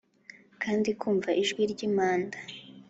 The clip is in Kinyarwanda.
Kandi nkumva ijwi ry impanda